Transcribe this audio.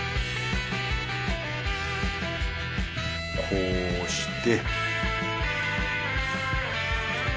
こうして